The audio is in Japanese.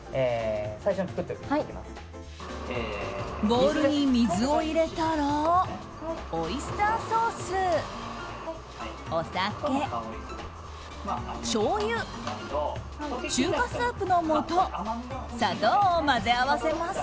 ボウルに水を入れたらオイスターソースお酒、しょうゆ中華スープの素砂糖を混ぜ合わせます。